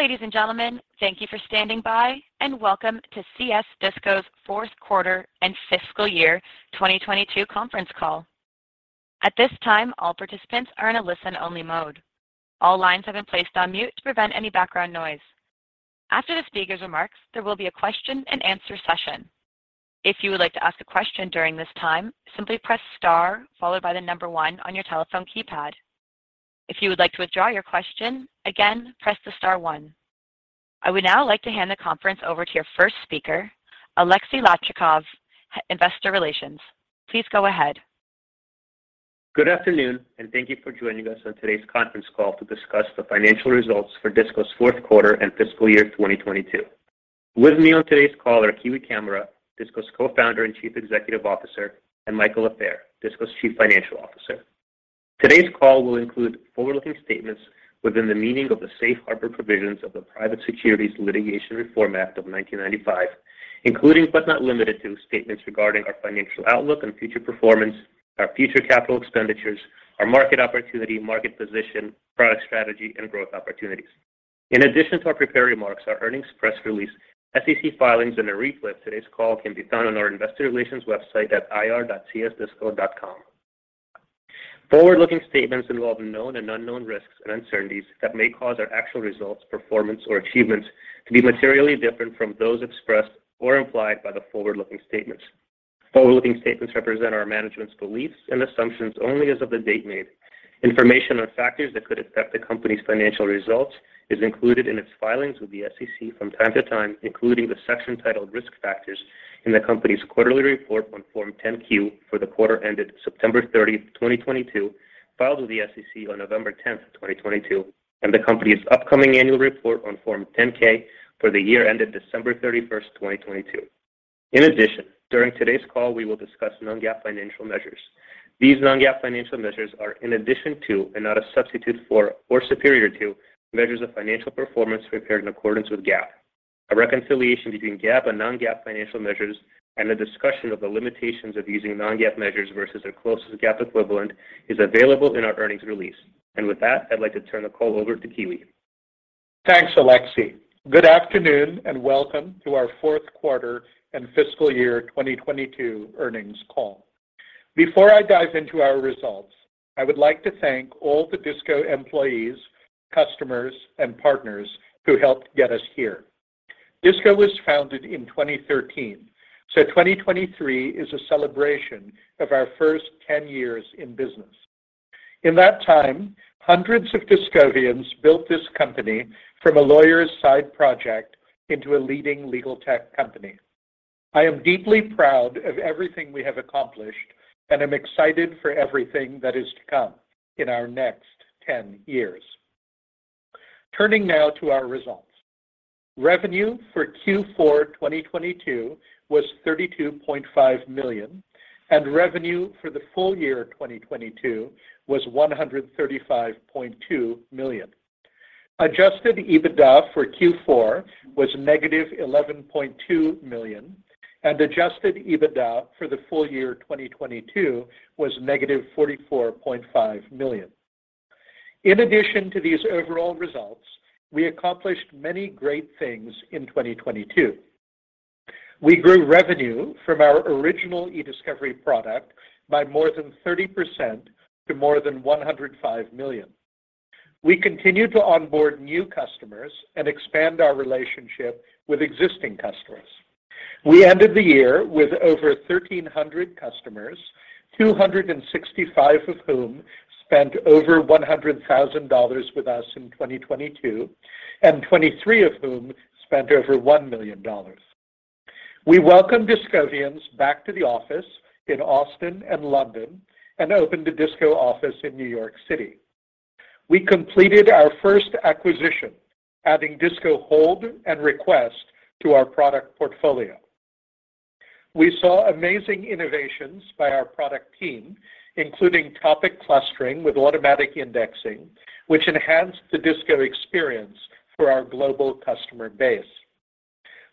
Ladies and gentlemen, thank you for standing by, welcome to CS DISCO's fourth quarter and fiscal year 2022 conference call. At this time, all participants are in a listen-only mode. All lines have been placed on mute to prevent any background noise. After the speaker's remarks, there will be a question-and-answer session. If you would like to ask a question during this time, simply press star followed by one on your telephone keypad. If you would like to withdraw your question, again, press the star one. I would now like to hand the conference over to your first speaker, Aleksey Lakchakov, Investor Relations. Please go ahead. Good afternoon, thank you for joining us on today's conference call to discuss the financial results for DISCO's fourth quarter and fiscal year 2022. With me on today's call are Kiwi Camara, DISCO's Co-Founder and Chief Executive Officer, and Michael Lafair, DISCO's Chief Financial Officer. Today's call will include forward-looking statements within the meaning of the Safe Harbor provisions of the Private Securities Litigation Reform Act of 1995, including but not limited to statements regarding our financial outlook and future performance, our future capital expenditures, our market opportunity, market position, product strategy, and growth opportunities. In addition to our prepared remarks, our earnings press release, SEC filings, and a replay of today's call can be found on our investor relations website at ir.csdisco.com. Forward-looking statements involve known and unknown risks and uncertainties that may cause our actual results, performance, or achievements to be materially different from those expressed or implied by the forward-looking statements. Forward-looking statements represent our management's beliefs and assumptions only as of the date made. Information on factors that could affect the company's financial results is included in its filings with the SEC from time to time, including the section titled Risk Factors in the company's quarterly report on Form 10-Q for the quarter ended September 30, 2022, filed with the SEC on November 10, 2022, and the company's upcoming annual report on Form 10-K for the year ended December 31, 2022. During today's call we will discuss non-GAAP financial measures. These non-GAAP financial measures are in addition to, and not a substitute for or superior to, measures of financial performance prepared in accordance with GAAP. A reconciliation between GAAP and non-GAAP financial measures and a discussion of the limitations of using non-GAAP measures versus their closest GAAP equivalent is available in our earnings release. With that, I'd like to turn the call over to Kiwi. Thanks, Aleksey. Good afternoon, welcome to our fourth quarter and fiscal year 2022 earnings call. Before I dive into our results, I would like to thank all the DISCO employees, customers, and partners who helped get us here. DISCO was founded in 2013, 2023 is a celebration of our first 10 years in business. In that time, hundreds of Discovians built this company from a lawyer's side project into a leading legal tech company. I am deeply proud of everything we have accomplished, I'm excited for everything that is to come in our next 10 years. Turning now to our results. Revenue for Q4 2022 was $32.5 million, revenue for the full year 2022 was $135.2 million. Adjusted EBITDA for Q4 was -$11.2 million, and Adjusted EBITDA for the full year 2022 was -$44.5 million. In addition to these overall results, we accomplished many great things in 2022. We grew revenue from our original Ediscovery product by more than 30% to more than $105 million. We continued to onboard new customers and expand our relationship with existing customers. We ended the year with over 1,300 customers, 265 of whom spent over $100,000 with us in 2022, and 23 of whom spent over $1 million. We welcomed Discovians back to the office in Austin and London and opened a DISCO office in New York City. We completed our first acquisition, adding DISCO Hold and DISCO Request to our product portfolio. We saw amazing innovations by our product team, including topic clustering with automatic indexing, which enhanced the DISCO experience for our global customer base.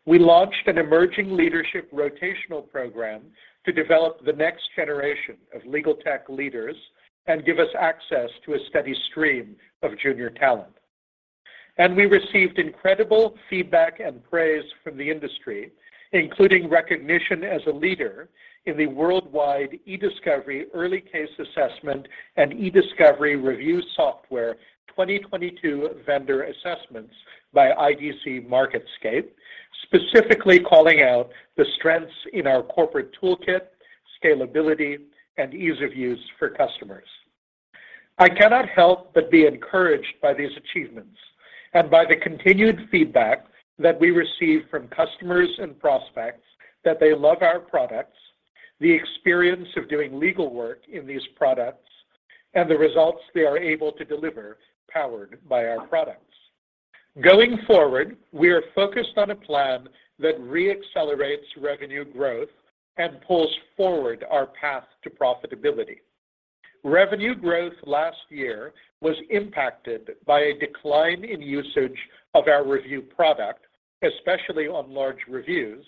We launched an emerging leadership rotational program to develop the next generation of legal tech leaders and give us access to a steady stream of junior talent. We received incredible feedback and praise from the industry, including recognition as a leader in the worldwide e-discovery early case assessment and e-discovery review software 2022 vendor assessments by IDC MarketScape, specifically calling out the strengths in our corporate toolkit, scalability, and ease of use for customers. I cannot help but be encouraged by these achievements and by the continued feedback that we receive from customers and prospects that they love our products, the experience of doing legal work in these products, and the results they are able to deliver powered by our products. Going forward, we are focused on a plan that re-accelerates revenue growth and pulls forward our path to profitability. Revenue growth last year was impacted by a decline in usage of our review product, especially on large reviews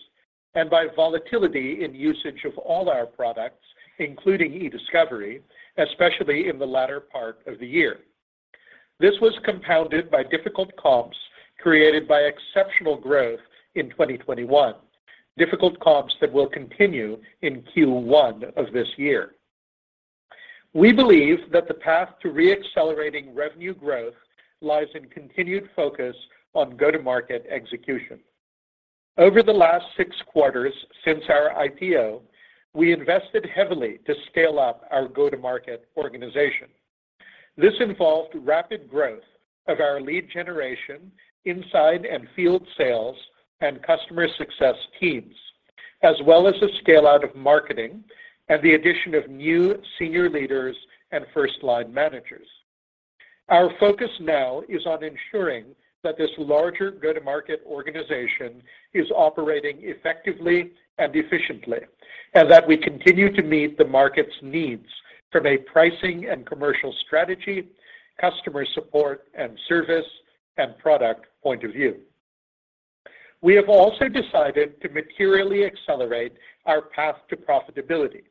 and by volatility in usage of all our products, including Ediscovery, especially in the latter part of the year. This was compounded by difficult comps created by exceptional growth in 2021, difficult comps that will continue in Q1 of this year. We believe that the path to re-accelerating revenue growth lies in continued focus on go-to-market execution. Over the last six quarters since our IPO, we invested heavily to scale up our go-to-market organization. This involved rapid growth of our lead generation inside and field sales and customer success teams, as well as the scale out of marketing and the addition of new senior leaders and first-line managers. Our focus now is on ensuring that this larger go-to-market organization is operating effectively and efficiently, that we continue to meet the market's needs from a pricing and commercial strategy, customer support, and service, and product point of view. We have also decided to materially accelerate our path to profitability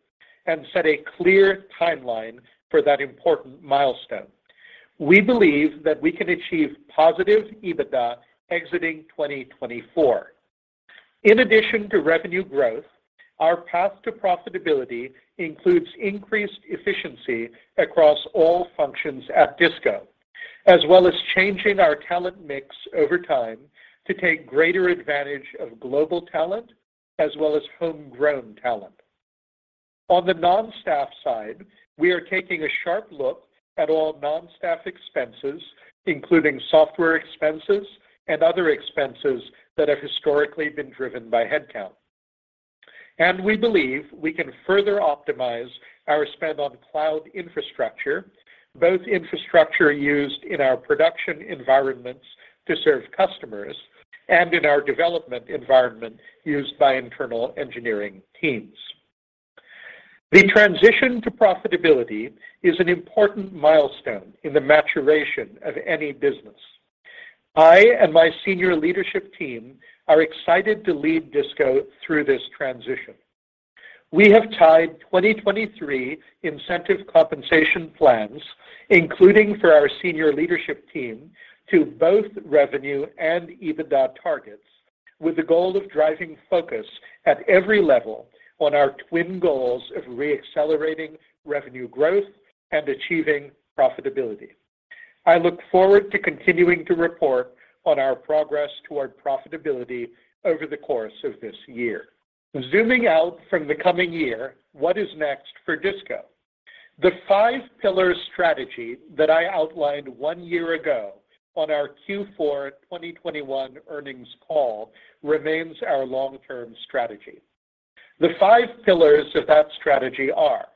and set a clear timeline for that important milestone. We believe that we can achieve positive EBITDA exiting 2024. In addition to revenue growth, our path to profitability includes increased efficiency across all functions at DISCO, as well as changing our talent mix over time to take greater advantage of global talent as well as homegrown talent. On the non-staff side, we are taking a sharp look at all non-staff expenses, including software expenses and other expenses that have historically been driven by headcount. We believe we can further optimize our spend on cloud infrastructure, both infrastructure used in our production environments to serve customers and in our development environment used by internal engineering teams. The transition to profitability is an important milestone in the maturation of any business. I and my senior leadership team are excited to lead DISCO through this transition. We have tied 2023 incentive compensation plans, including for our senior leadership team, to both revenue and EBITDA targets, with the goal of driving focus at every level on our twin goals of re-accelerating revenue growth and achieving profitability. I look forward to continuing to report on our progress toward profitability over the course of this year. Zooming out from the coming year, what is next for DISCO? The five pillar strategy that I outlined one year ago on our Q4 2021 earnings call remains our long-term strategy. The five pillars of that strategy are,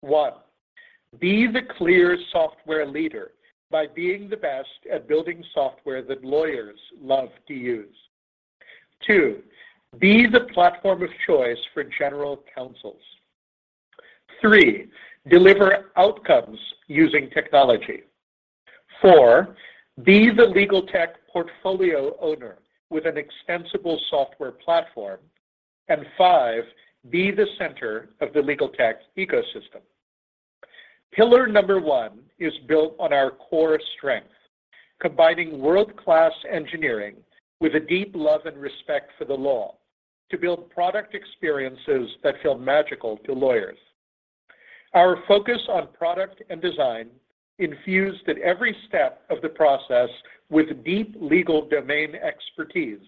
one, be the clear software leader by being the best at building software that lawyers love to use. Two, be the platform of choice for general counsels. Three, deliver outcomes using technology. Four, be the legal tech portfolio owner with an extensible software platform. Five, be the center of the legal tech ecosystem. Pillar number one is built on our core strength, combining world-class engineering with a deep love and respect for the law to build product experiences that feel magical to lawyers. Our focus on product and design infused at every step of the process with deep legal domain expertise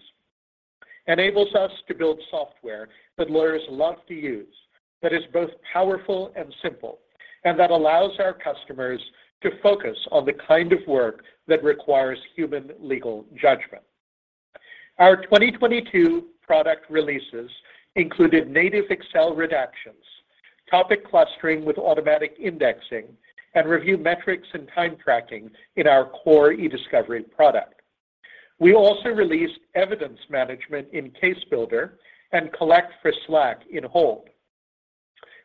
enables us to build software that lawyers love to use, that is both powerful and simple, and that allows our customers to focus on the kind of work that requires human legal judgment. Our 2022 product releases included native Excel redactions, topic clustering with automatic indexing, and review metrics, and time tracking in our core Ediscovery product. We also released evidence management in Case Builder and Collect for Slack in Hold.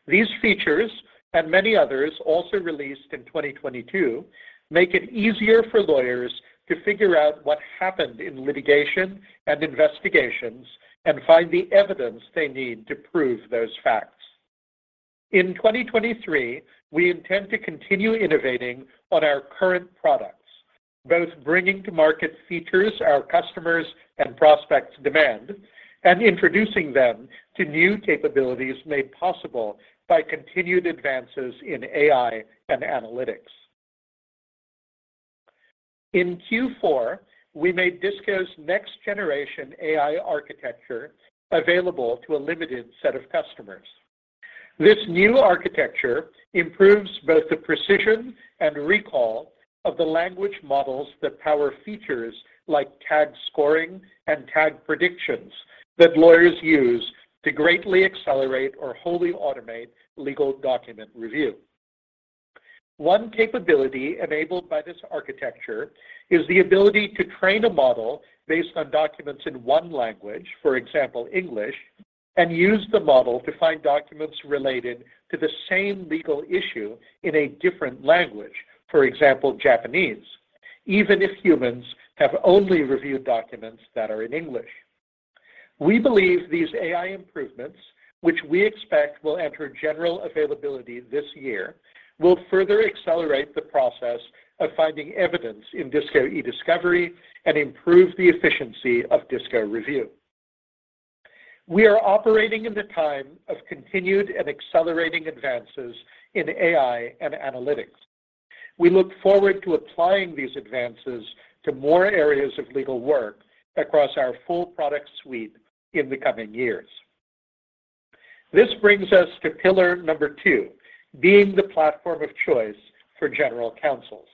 These features, and many others also released in 2022, make it easier for lawyers to figure out what happened in litigation and investigations and find the evidence they need to prove those facts. In 2023, we intend to continue innovating on our current products, both bringing to market features our customers and prospects demand and introducing them to new capabilities made possible by continued advances in AI and analytics. In Q4, we made DISCO's next generation AI architecture available to a limited set of customers. This new architecture improves both the precision and recall of the language models that power features like tag scoring and tag predictions that lawyers use to greatly accelerate or wholly automate legal document review. One capability enabled by this architecture is the ability to train a model based on documents in one language, for example, English, and use the model to find documents related to the same legal issue in a different language, for example, Japanese. Even if humans have only reviewed documents that are in English. We believe these AI improvements, which we expect will enter general availability this year, will further accelerate the process of finding evidence in DISCO Ediscovery and improve the efficiency of DISCO Review. We are operating in a time of continued and accelerating advances in AI and analytics. We look forward to applying these advances to more areas of legal work across our full product suite in the coming years. This brings us to pillar number two, being the platform of choice for general counsels.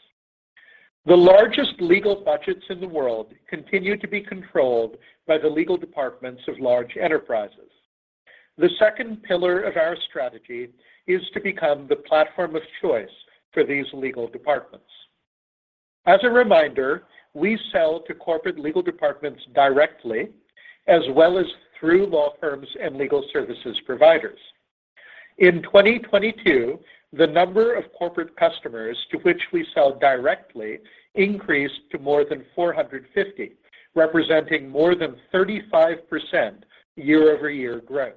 The largest legal budgets in the world continue to be controlled by the legal departments of large enterprises. The second pillar of our strategy is to become the platform of choice for these legal departments. As a reminder, we sell to corporate legal departments directly, as well as through law firms and legal services providers. In 2022, the number of corporate customers to which we sell directly increased to more than 450, representing more than 35% year-over-year growth.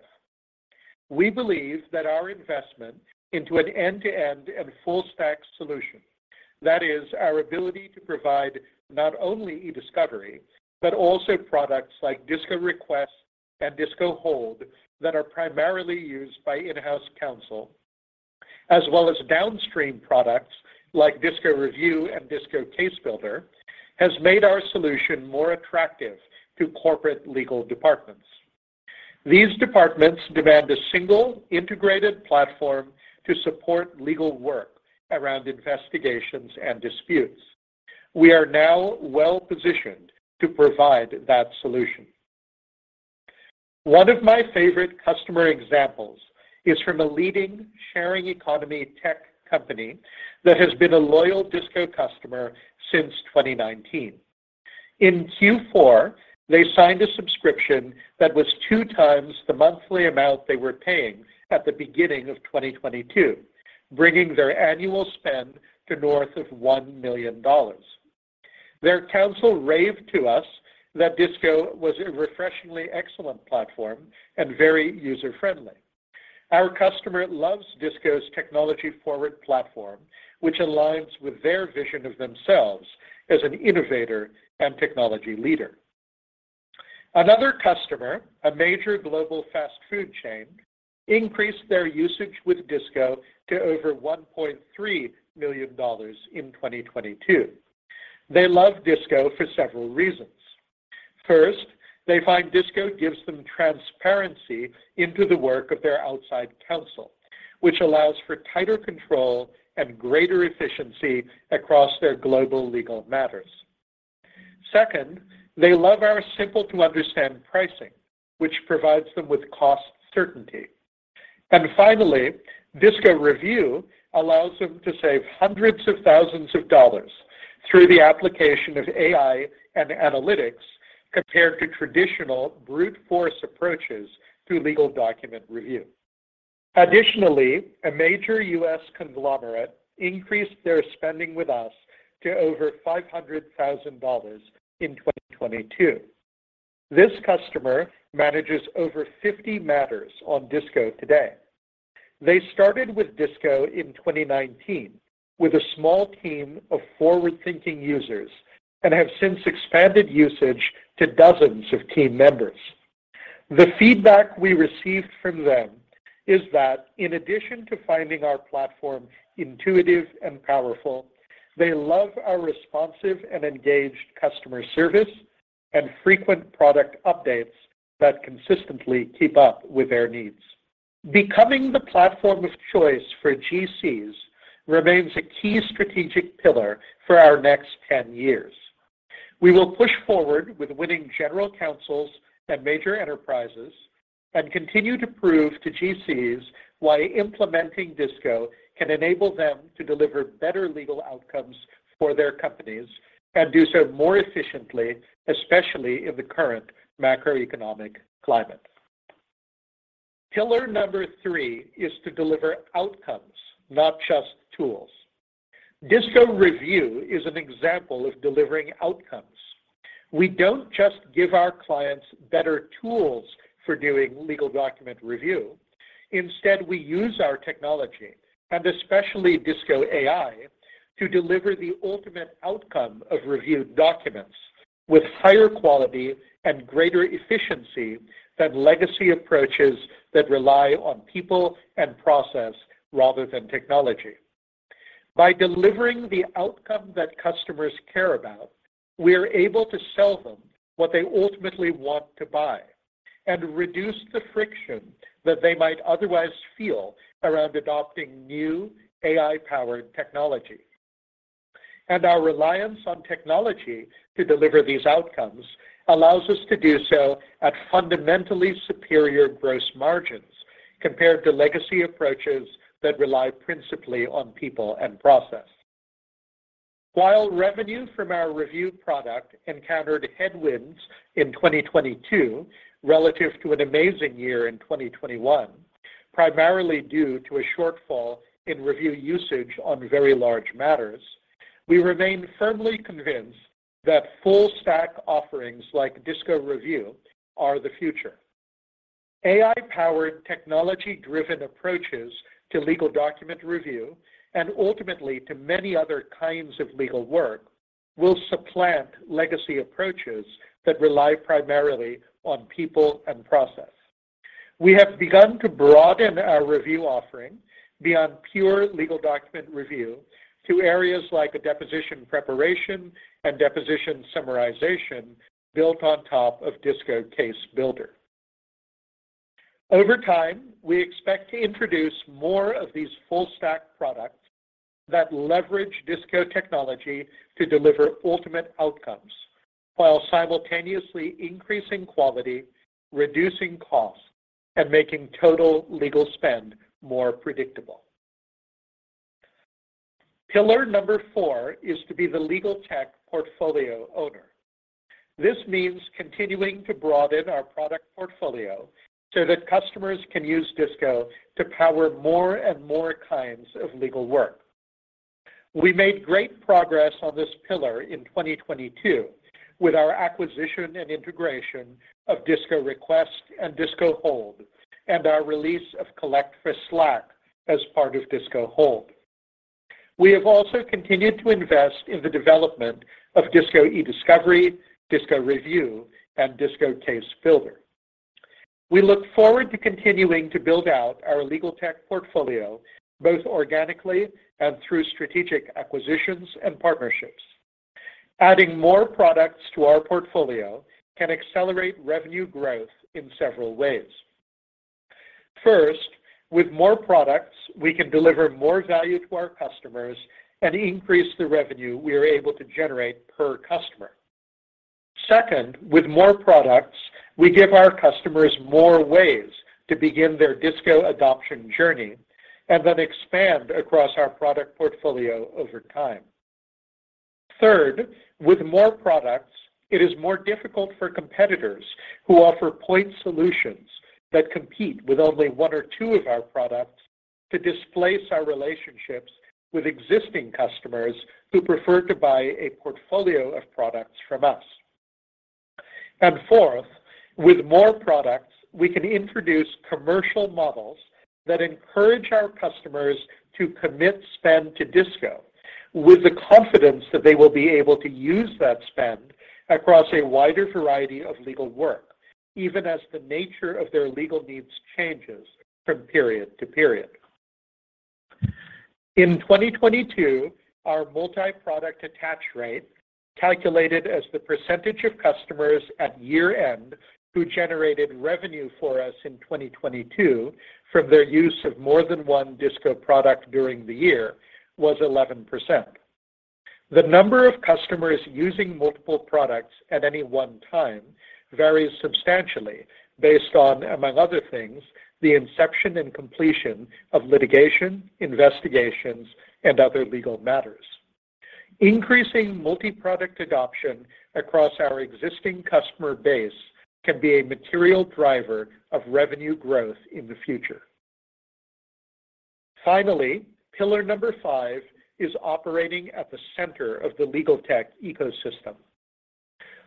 We believe that our investment into an end-to-end and full stack solution, that is our ability to provide not only Ediscovery, but also products like DISCO Request and DISCO Hold that are primarily used by in-house counsel, as well as downstream products like DISCO Review and DISCO Case Builder, has made our solution more attractive to corporate legal departments. These departments demand a single integrated platform to support legal work around investigations and disputes. We are now well-positioned to provide that solution. One of my favorite customer examples is from a leading sharing economy tech company that has been a loyal DISCO customer since 2019. In Q4, they signed a subscription that was two times the monthly amount they were paying at the beginning of 2022, bringing their annual spend to north of $1 million. Their counsel raved to us that DISCO was a refreshingly excellent platform and very user-friendly. Our customer loves DISCO's technology-forward platform, which aligns with their vision of themselves as an innovator and technology leader. Another customer, a major global fast food chain, increased their usage with DISCO to over $1.3 million in 2022. They love DISCO for several reasons. First, they find DISCO gives them transparency into the work of their outside counsel, which allows for tighter control and greater efficiency across their global legal matters. Second, they love our simple-to-understand pricing, which provides them with cost certainty. Finally, DISCO Review allows them to save hundreds of thousands of dollars through the application of AI and analytics compared to traditional brute force approaches to legal document review. Additionally, a major U.S. conglomerate increased their spending with us to over $500,000 in 2022. This customer manages over 50 matters on DISCO today. They started with DISCO in 2019 with a small team of forward-thinking users and have since expanded usage to dozens of team members. The feedback we received from them is that in addition to finding our platform intuitive and powerful, they love our responsive and engaged customer service and frequent product updates that consistently keep up with their needs. Becoming the platform of choice for GCs remains a key strategic pillar for our next 10 years. We will push forward with winning general counsels and major enterprises and continue to prove to GCs why implementing DISCO can enable them to deliver better legal outcomes for their companies and do so more efficiently, especially in the current macroeconomic climate. Pillar number three is to deliver outcomes, not just tools. DISCO Review is an example of delivering outcomes. We don't just give our clients better tools for doing legal document review. We use our technology, and especially DISCO AI, to deliver the ultimate outcome of reviewed documents with higher quality and greater efficiency than legacy approaches that rely on people and process rather than technology. By delivering the outcome that customers care about, we are able to sell them what they ultimately want to buy and reduce the friction that they might otherwise feel around adopting new AI-powered technology. Our reliance on technology to deliver these outcomes allows us to do so at fundamentally superior gross margins compared to legacy approaches that rely principally on people and process. While revenue from our review product encountered headwinds in 2022 relative to an amazing year in 2021. Primarily due to a shortfall in review usage on very large matters, we remain firmly convinced that full stack offerings like DISCO Review are the future. AI-powered, technology-driven approaches to legal document review and ultimately to many other kinds of legal work will supplant legacy approaches that rely primarily on people and process. We have begun to broaden our review offering beyond pure legal document review to areas like deposition preparation and deposition summarization built on top of DISCO Case Builder. Over time, we expect to introduce more of these full stack products that leverage DISCO technology to deliver ultimate outcomes while simultaneously increasing quality, reducing costs, and making total legal spend more predictable. Pillar number four is to be the legal tech portfolio owner. This means continuing to broaden our product portfolio so that customers can use DISCO to power more and more kinds of legal work. We made great progress on this pillar in 2022 with our acquisition and integration of DISCO Request and DISCO Hold, our release of Collect for Slack as part of DISCO Hold. We have also continued to invest in the development of DISCO Ediscovery, DISCO Review, and DISCO Case Builder. We look forward to continuing to build out our legal tech portfolio both organically and through strategic acquisitions and partnerships. Adding more products to our portfolio can accelerate revenue growth in several ways. First, with more products, we can deliver more value to our customers and increase the revenue we are able to generate per customer. Second, with more products, we give our customers more ways to begin their DISCO adoption journey and then expand across our product portfolio over time. Third, with more products, it is more difficult for competitors who offer point solutions that compete with only one or two of our products to displace our relationships with existing customers who prefer to buy a portfolio of products from us. Fourth, with more products, we can introduce commercial models that encourage our customers to commit spend to DISCO with the confidence that they will be able to use that spend across a wider variety of legal work, even as the nature of their legal needs changes from period to period. In 2022, our multi-product attach rate, calculated as the percentage of customers at year-end who generated revenue for us in 2022 from their use of more than one DISCO product during the year, was 11%. The number of customers using multiple products at any one time varies substantially based on, among other things, the inception and completion of litigation, investigations, and other legal matters. Increasing multi-product adoption across our existing customer base can be a material driver of revenue growth in the future. Finally, pillar number five is operating at the center of the legal tech ecosystem.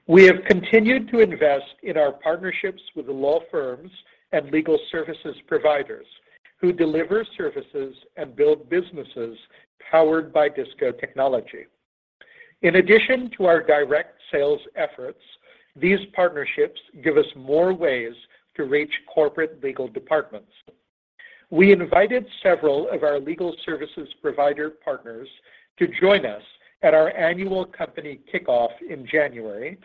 We have continued to invest in our partnerships with law firms and legal services providers who deliver services and build businesses powered by DISCO technology. In addition to our direct sales efforts, these partnerships give us more ways to reach corporate legal departments. We invited several of our legal services provider partners to join us at our annual company kickoff in January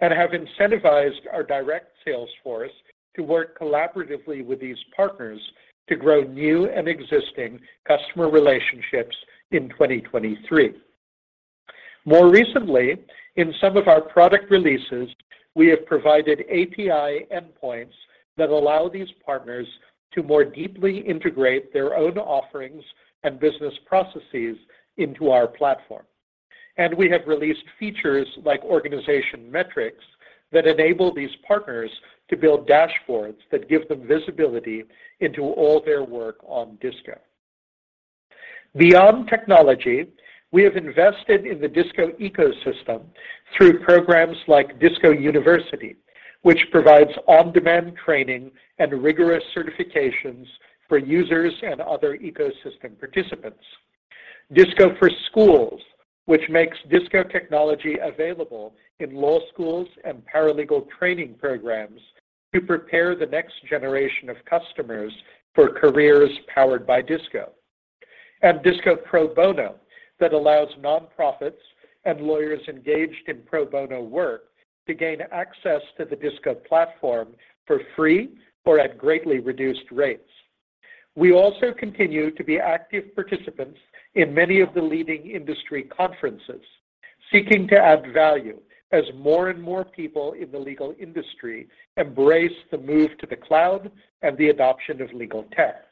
and have incentivized our direct sales force to work collaboratively with these partners to grow new and existing customer relationships in 2023. More recently, in some of our product releases, we have provided API endpoints that allow these partners to more deeply integrate their own offerings and business processes into our platform. We have released features like Organization Metrics that enable these partners to build dashboards that give them visibility into all their work on DISCO. Beyond technology, we have invested in the DISCO ecosystem through programs like DISCO University, which provides on-demand training and rigorous certifications for users and other ecosystem participants. DISCO for Schools, which makes DISCO technology available in law schools and paralegal training programs to prepare the next generation of customers for careers powered by DISCO. DISCO Pro Bono, that allows nonprofits and lawyers engaged in pro bono work to gain access to the DISCO platform for free or at greatly reduced rates. We also continue to be active participants in many of the leading industry conferences, seeking to add value as more and more people in the legal industry embrace the move to the cloud and the adoption of legal tech.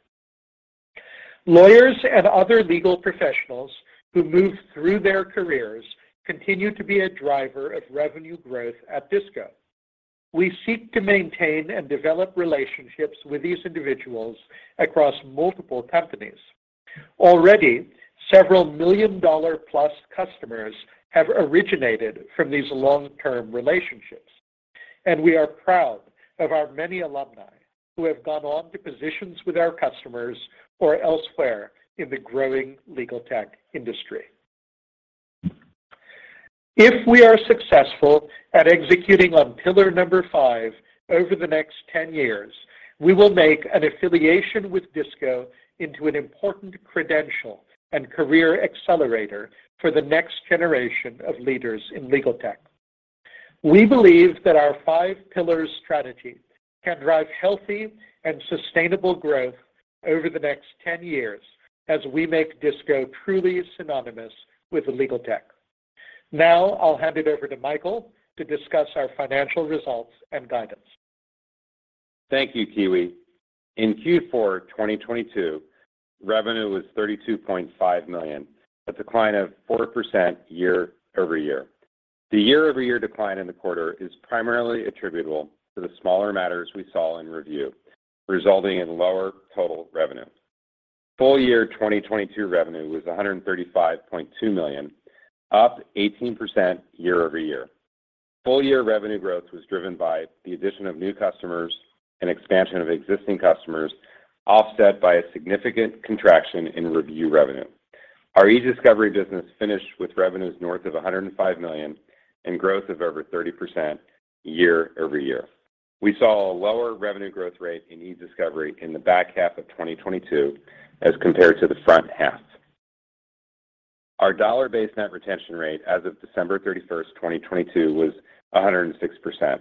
Lawyers and other legal professionals who move through their careers continue to be a driver of revenue growth at DISCO. We seek to maintain and develop relationships with these individuals across multiple companies. Already, several million-dollar-plus customers have originated from these long-term relationships, and we are proud of our many alumni who have gone on to positions with our customers or elsewhere in the growing legal tech industry. If we are successful at executing on pillar number five over the next 10 years, we will make an affiliation with DISCO into an important credential and career accelerator for the next generation of leaders in legal tech. We believe that our five pillars strategy can drive healthy and sustainable growth over the next 10 years as we make DISCO truly synonymous with the legal tech. I'll hand it over to Michael to discuss our financial results and guidance. Thank you, Kiwi. In Q4 2022, revenue was $32.5 million, a decline of 4% year-over-year. The year-over-year decline in the quarter is primarily attributable to the smaller matters we saw in review, resulting in lower total revenue. Full year 2022 revenue was $135.2 million, up 18% year-over-year. Full year revenue growth was driven by the addition of new customers and expansion of existing customers, offset by a significant contraction in review revenue. Our Ediscovery business finished with revenues north of $105 million and growth of over 30% year-over-year. We saw a lower revenue growth rate in Ediscovery in the back half of 2022 as compared to the front half. Our dollar-based net retention rate as of December 31st, 2022 was 106%.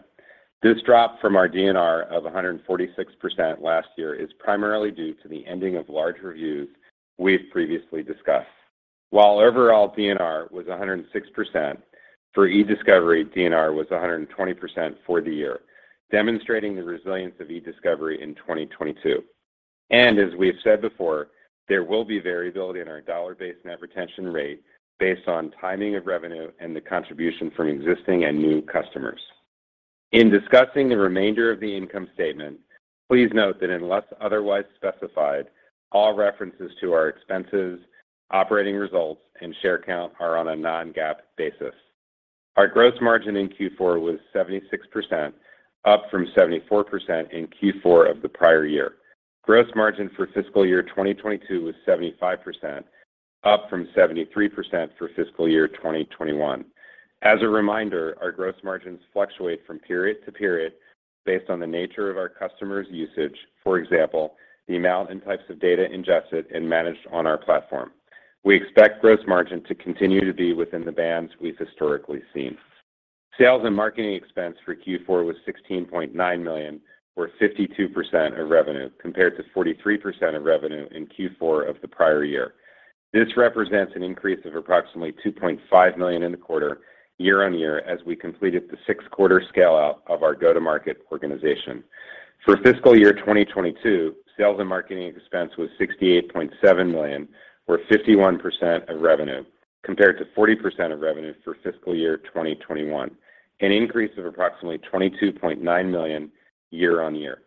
This drop from our DNR of 146% last year is primarily due to the ending of large reviews we've previously discussed. While overall DNR was 106%, for DISCO Ediscovery, DNR was 120% for the year, demonstrating the resilience of DISCO Ediscovery in 2022. As we have said before, there will be variability in our dollar-based net retention rate based on timing of revenue and the contribution from existing and new customers. In discussing the remainder of the income statement, please note that unless otherwise specified, all references to our expenses, operating results, and share count are on a non-GAAP basis. Our gross margin in Q4 was 76%, up from 74% in Q4 of the prior year. Gross margin for fiscal year 2022 was 75%, up from 73% for fiscal year 2021. As a reminder, our gross margins fluctuate from period to period based on the nature of our customers' usage, for example, the amount and types of data ingested and managed on our platform. We expect gross margin to continue to be within the bands we've historically seen. Sales and marketing expense for Q4 was $16.9 million, or 52% of revenue, compared to 43% of revenue in Q4 of the prior year. This represents an increase of approximately $2.5 million in the quarter year-over-year as we completed the six-quarter scale-out of our go-to-market organization. For fiscal year 2022, Sales and marketing expense was $68.7 million, or 51% of revenue, compared to 40% of revenue for fiscal year 2021, an increase of approximately $22.9 million year-over-year.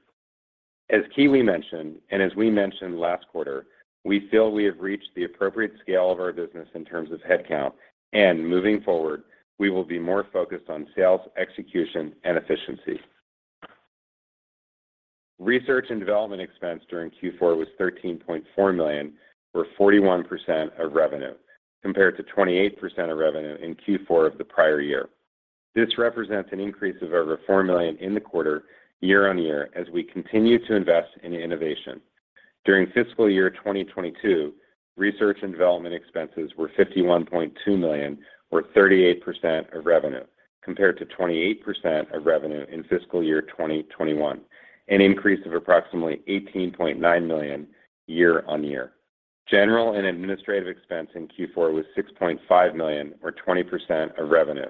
As Kiwi mentioned, and as we mentioned last quarter, we feel we have reached the appropriate scale of our business in terms of headcount, and moving forward, we will be more focused on sales, execution, and efficiency. Research and development expense during Q4 was $13.4 million, or 41% of revenue, compared to 28% of revenue in Q4 of the prior year. This represents an increase of over $4 million in the quarter year-on-year as we continue to invest in innovation. During fiscal year 2022, research and development expenses were $51.2 million, or 38% of revenue, compared to 28% of revenue in fiscal year 2021, an increase of approximately $18.9 million year-on-year. General and administrative expense in Q4 was $6.5 million, or 20% of revenue,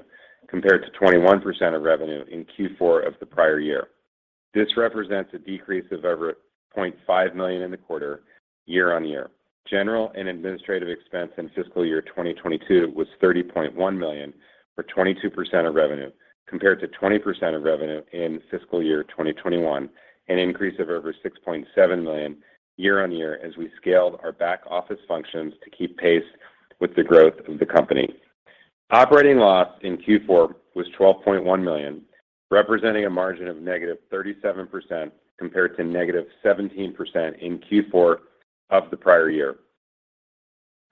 compared to 21% of revenue in Q4 of the prior year. This represents a decrease of over $0.5 million in the quarter year-on-year. General and administrative expense in fiscal year 2022 was $30.1 million, or 22% of revenue, compared to 20% of revenue in fiscal year 2021, an increase of over $6.7 million year-on-year as we scaled our back-office functions to keep pace with the growth of the company. Operating loss in Q4 was $12.1 million, representing a margin of -37%, compared to -17% in Q4 of the prior year.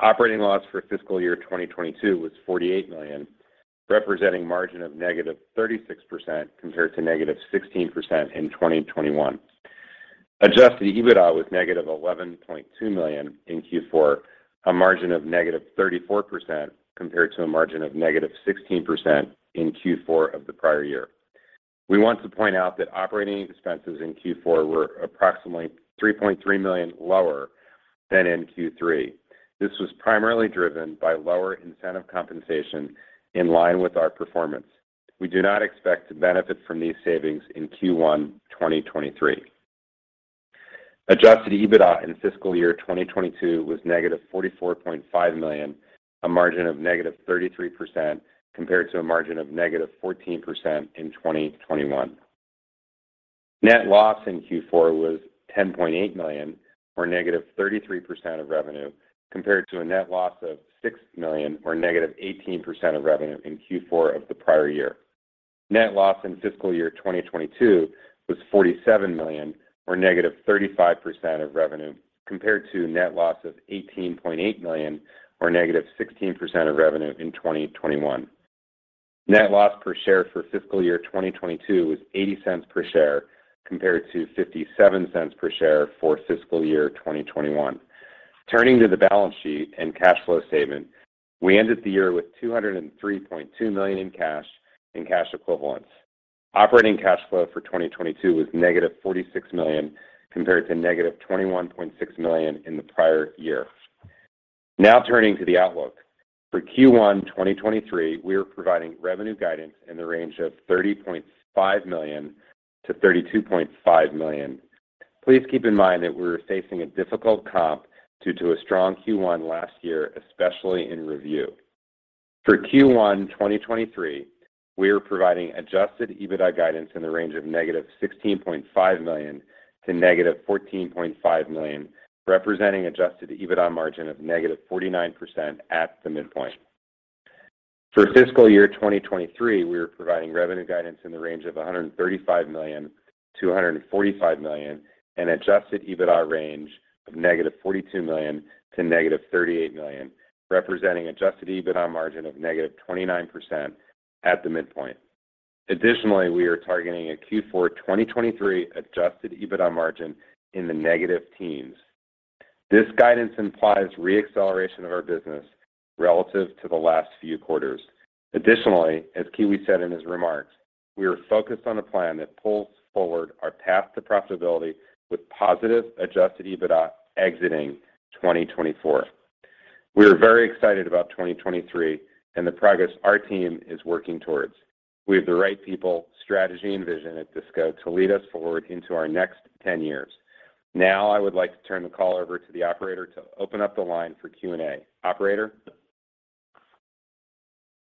Operating loss for fiscal year 2022 was $48 million, representing margin of -36%, compared to -16% in 2021. Adjusted EBITDA was -$11.2 million in Q4, a margin of -34%, compared to a margin of -16% in Q4 of the prior year. We want to point out that operating expenses in Q4 were approximately $3.3 million lower than in Q3. This was primarily driven by lower incentive compensation in line with our performance. We do not expect to benefit from these savings in Q1 2023. Adjusted EBITDA in fiscal year 2022 was -$44.5 million, a margin of -33% compared to a margin of -14% in 2021. Net loss in Q4 was $10.8 million, or -33% of revenue, compared to a net loss of $6 million, or -18% of revenue in Q4 of the prior year. Net loss in fiscal year 2022 was $47 million, or -35% of revenue, compared to net loss of $18.8 million, or -16% of revenue in 2021. Net loss per share for fiscal year 2022 was $0.80 per share, compared to $0.57 per share for fiscal year 2021. Turning to the balance sheet and cash flow statement, we ended the year with $203.2 million in cash and cash equivalents. Operating cash flow for 2022 was -$46 million compared to -$21.6 million in the prior year. Turning to the outlook. For Q1 2023, we are providing revenue guidance in the range of $30.5 million-$32.5 million. Please keep in mind that we're facing a difficult comp due to a strong Q1 last year, especially in review. For Q1 2023, we are providing Adjusted EBITDA guidance in the range of -$16.5 million to -$14.5 million, representing Adjusted EBITDA margin of -49% at the midpoint. For fiscal year 2023, we are providing revenue guidance in the range of $135 million-$145 million, and Adjusted EBITDA range of -$42 million to -$38 million, representing Adjusted EBITDA margin of -29% at the midpoint. Additionally, we are targeting a Q4 2023 Adjusted EBITDA margin in the negative teens. This guidance implies re-acceleration of our business relative to the last few quarters. Additionally, as Kiwi said in his remarks, we are focused on a plan that pulls forward our path to profitability with positive Adjusted EBITDA exiting 2024. We are very excited about 2023 and the progress our team is working towards. We have the right people, strategy, and vision at DISCO to lead us forward into our next 10 years. I would like to turn the call over to the operator to open up the line for Q&A. Operator?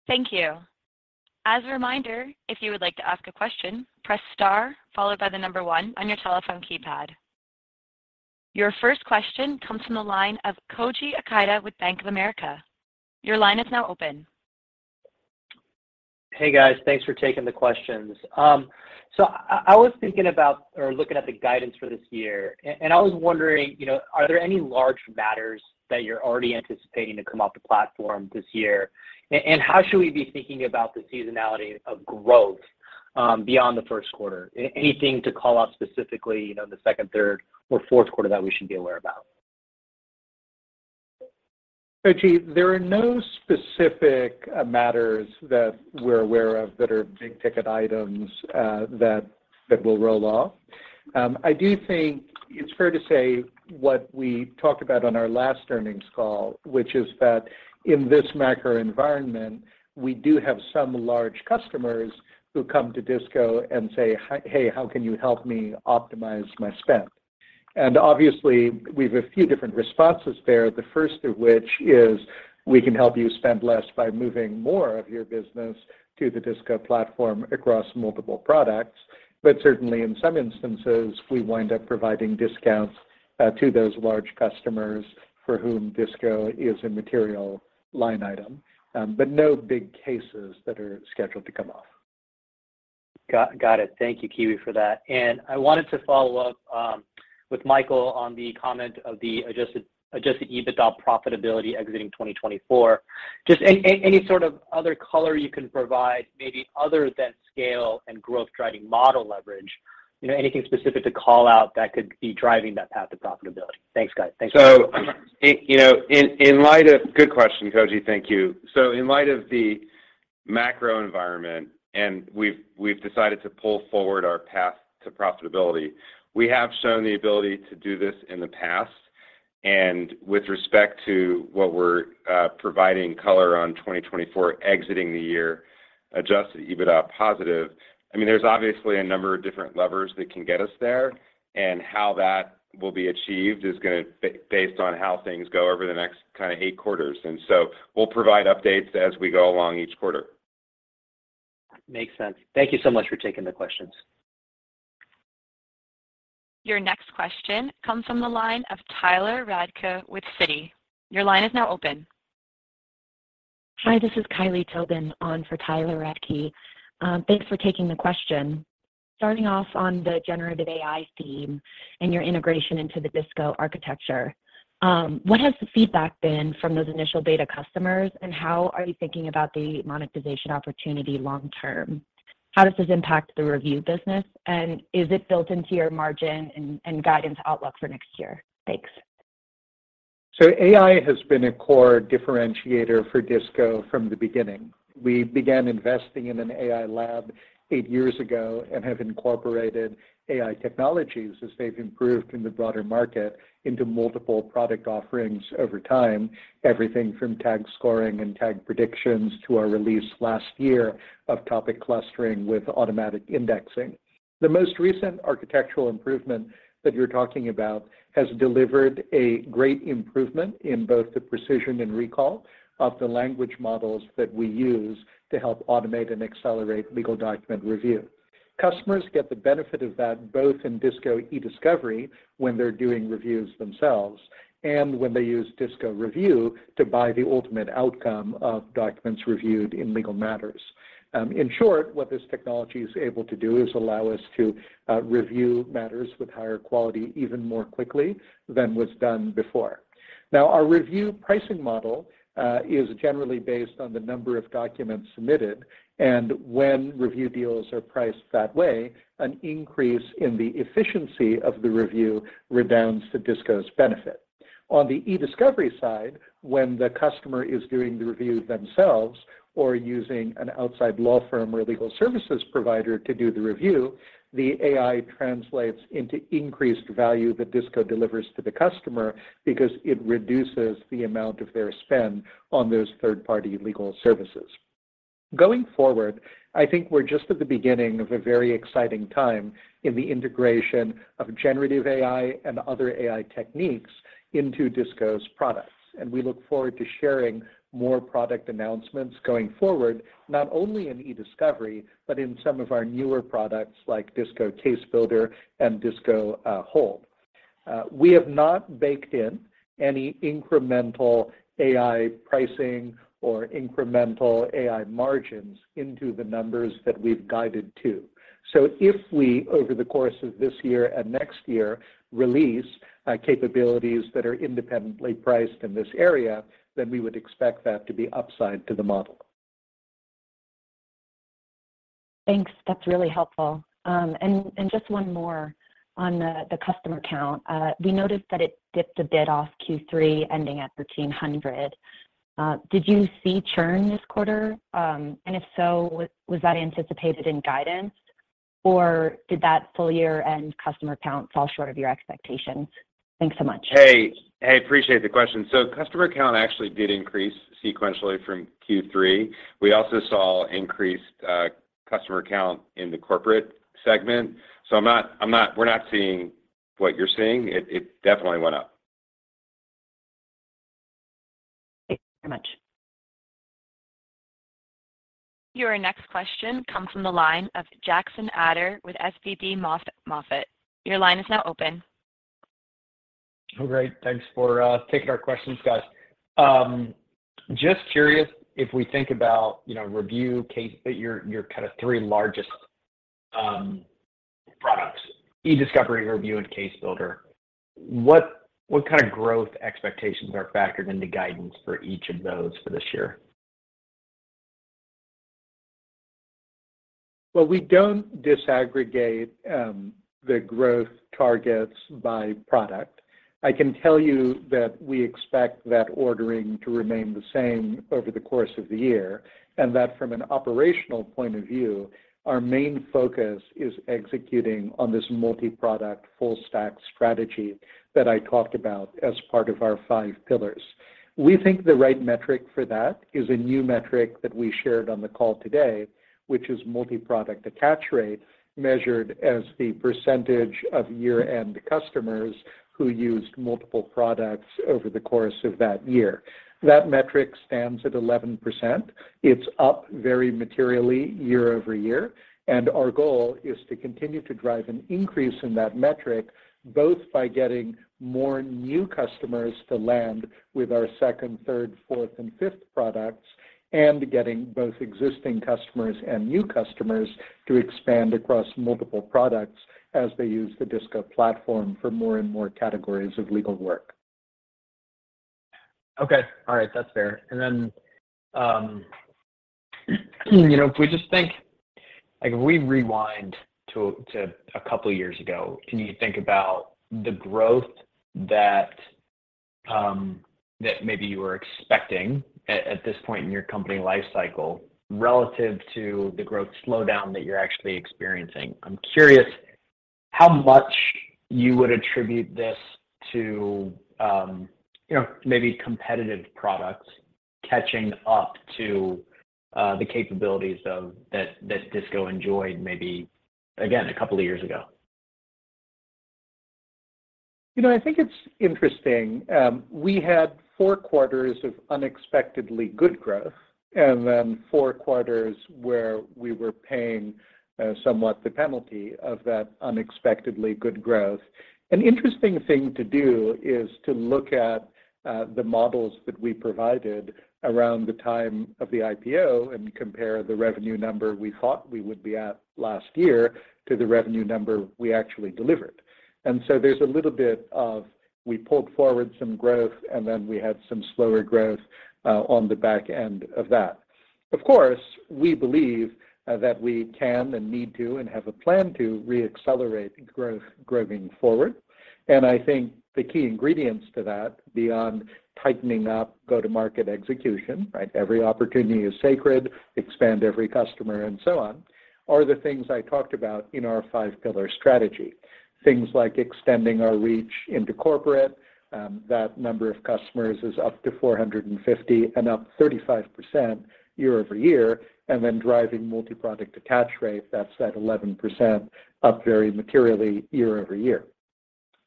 Thank you. As a reminder, if you would like to ask a question, press star followed by the number one on your telephone keypad. Your first question comes from the line of Koji Ikeda with Bank of America. Your line is now open. Hey, guys. Thanks for taking the questions. I was thinking about or looking at the guidance for this year and I was wondering, you know, are there any large matters that you're already anticipating to come off the platform this year? How should we be thinking about the seasonality of growth beyond the first quarter? Anything to call out specifically, you know, in the second, third, or fourth quarter that we should be aware about? Koji, there are no specific matters that we're aware of that are big-ticket items that will roll off. I do think it's fair to say what we talked about on our last earnings call, which is that in this macro environment, we do have some large customers who come to DISCO and say, "Hey, how can you help me optimize my spend?" Obviously, we've a few different responses there, the first of which is we can help you spend less by moving more of your business to the DISCO platform across multiple products. Certainly, in some instances, we wind up providing discounts to those large customers for whom DISCO is a material line item. No big cases that are scheduled to come off. Got it. Thank you, Kiwi, for that. I wanted to follow up with Michael on the comment of the Adjusted EBITDA profitability exiting 2024. Just any sort of other color you can provide maybe other than scale and growth-driving model leverage, you know, anything specific to call out that could be driving that path to profitability? Thanks, guys. Good question, Koji. Thank you. In light of the macro environment, and we've decided to pull forward our path to profitability, we have shown the ability to do this in the past. With respect to what we're providing color on 2024 exiting the year Adjusted EBITDA positive, I mean, there's obviously a number of different levers that can get us there, and how that will be achieved is gonna be based on how things go over the next kinda 8 quarters. We'll provide updates as we go along each quarter. Makes sense. Thank you so much for taking the questions. Your next question comes from the line of Tyler Radke with Citi. Your line is now open. Hi, this is Kylie Towbin on for Tyler Radke. Thanks for taking the question. Starting off on the generative AI theme and your integration into the DISCO architecture, what has the feedback been from those initial beta customers, and how are you thinking about the monetization opportunity long term? How does this impact the review business, and is it built into your margin and guidance outlook for next year? Thanks. AI has been a core differentiator for DISCO from the beginning. We began investing in an AI lab eight years ago and have incorporated AI technologies as they've improved in the broader market into multiple product offerings over time, everything from tag scoring and tag predictions to our release last year of topic clustering with automatic indexing. The most recent architectural improvement that you're talking about has delivered a great improvement in both the precision and recall of the language models that we use to help automate and accelerate legal document review. Customers get the benefit of that both in DISCO Ediscovery when they're doing reviews themselves and when they use DISCO Review to buy the ultimate outcome of documents reviewed in legal matters. In short, what this technology is able to do is allow us to review matters with higher quality even more quickly than was done before. Our Review pricing model is generally based on the number of documents submitted, and when Review deals are priced that way, an increase in the efficiency of the review redounds to DISCO's benefit. On the Ediscovery side, when the customer is doing the review themselves or using an outside law firm or legal services provider to do the review, the AI translates into increased value that DISCO delivers to the customer because it reduces the amount of their spend on those third-party legal services. Going forward, I think we're just at the beginning of a very exciting time in the integration of generative AI and other AI techniques into DISCO's products. We look forward to sharing more product announcements going forward, not only in Ediscovery, but in some of our newer products like DISCO Case Builder and DISCO Hold. We have not baked in any incremental AI pricing or incremental AI margins into the numbers that we've guided to. If we, over the course of this year and next year, release capabilities that are independently priced in this area, then we would expect that to be upside to the model. Thanks. That's really helpful. Just one more on the customer count. We noticed that it dipped a bit off Q3, ending at 1,300. Did you see churn this quarter? If so, was that anticipated in guidance, or did that full year-end customer count fall short of your expectations? Thanks so much. Hey. Hey, appreciate the question. Customer count actually did increase sequentially from Q3. We also saw increased customer count in the corporate segment. We're not seeing what you're seeing. It definitely went up. Thanks very much. Your next question comes from the line of Jackson Ader with SVB MoffettNathanson. Your line is now open. Great. Thanks for taking our questions, guys. Just curious if we think about, you know, Review case, your kinda three largest products, Ediscovery, Review, and Case Builder, what kinda growth expectations are factored into guidance for each of those for this year? Well, we don't disaggregate the growth targets by product. I can tell you that we expect that ordering to remain the same over the course of the year, and that from an operational point of view, our main focus is executing on this multi-product, full stack strategy that I talked about as part of our five pillars. We think the right metric for that is a new metric that we shared on the call today, which is multi-product attach rate measured as the percentage of year-end customers who used multiple products over the course of that year. That metric stands at 11%. It's up very materially year-over-year, and our goal is to continue to drive an increase in that metric, both by getting more new customers to land with our second, third, fourth, and fifth products, and getting both existing customers and new customers to expand across multiple products as they use the DISCO platform for more and more categories of legal work. Okay. All right. That's fair. You know, if we just think, like, if we rewind to a couple years ago, can you think about the growth that maybe you were expecting at this point in your company life cycle relative to the growth slowdown that you're actually experiencing? I'm curious how much you would attribute this to, you know, maybe competitive products catching up to the capabilities that DISCO enjoyed maybe, again, a couple of years ago? You know, I think it's interesting. We had four quarters of unexpectedly good growth and then four quarters where we were paying, somewhat the penalty of that unexpectedly good growth. An interesting thing to do is to look at, the models that we provided around the time of the IPO and compare the revenue number we thought we would be at last year to the revenue number we actually delivered. There's a little bit of we pulled forward some growth, and then we had some slower growth, on the back end of that. Of course, we believe, that we can and need to and have a plan to re-accelerate growth going forward, and I think the key ingredients to that beyond tightening up go-to-market execution, right? Every opportunity is sacred, expand every customer, and so on, are the things I talked about in our five-pillar strategy. Things like extending our reach into corporate, that number of customers is up to 450 and up 35% year-over-year, and then driving multi-product attach rate, that's at 11% up very materially year-over-year.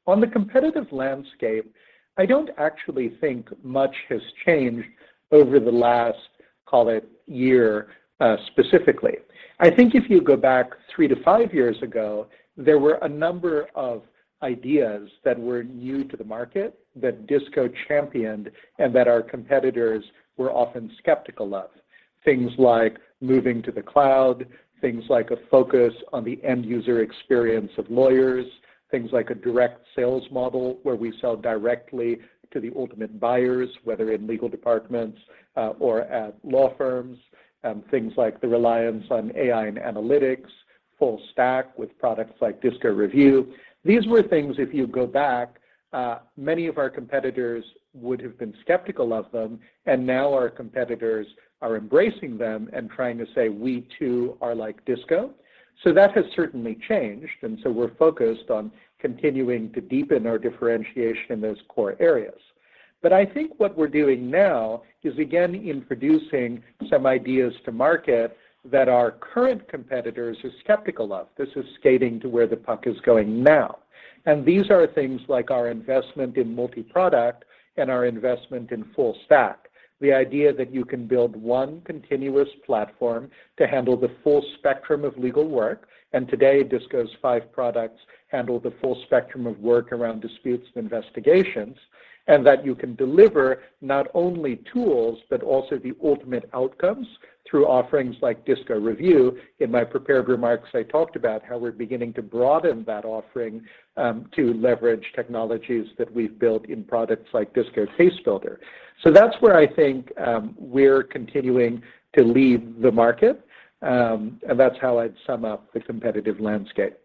On the competitive landscape, I don't actually think much has changed over the last, call it, year, specifically. I think if you go back three to five years ago, there were a number of ideas that were new to the market that DISCO championed and that our competitors were often skeptical of. Things like moving to the cloud, things like a focus on the end user experience of lawyers, things like a direct sales model where we sell directly to the ultimate buyers, whether in legal departments, or at law firms, things like the reliance on AI and analytics, full stack with products like DISCO Review. These were things, if you go back, many of our competitors would have been skeptical of them, and now our competitors are embracing them and trying to say, "We too are like DISCO." That has certainly changed, and so we're focused on continuing to deepen our differentiation in those core areas. I think what we're doing now is again introducing some ideas to market that our current competitors are skeptical of. This is skating to where the puck is going now. These are things like our investment in multi-product and our investment in full stack. The idea that you can build one continuous platform to handle the full spectrum of legal work, and today DISCO's five products handle the full spectrum of work around disputes and investigations, and that you can deliver not only tools, but also the ultimate outcomes through offerings like DISCO Review. In my prepared remarks, I talked about how we're beginning to broaden that offering to leverage technologies that we've built in products like DISCO Case Builder. That's where I think we're continuing to lead the market, and that's how I'd sum up the competitive landscape.